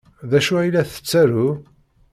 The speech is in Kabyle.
D acu ay la tettaru?